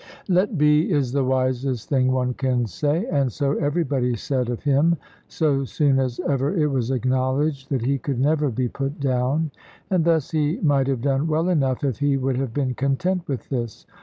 "Let be" is the wisest thing one can say; and so everybody said of him, so soon as ever it was acknowledged that he could never be put down. And thus he might have done well enough if he would have been content with this.